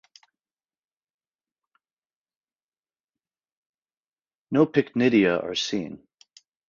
No pycnidia are seen.